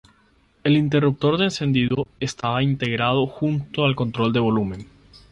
El interruptor de encendido estaba integrado junto al control de volumen.